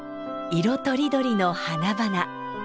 色とりどりの花々。